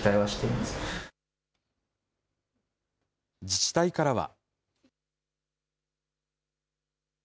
自治体からは。